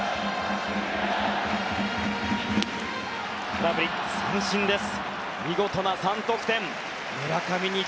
空振り三振です。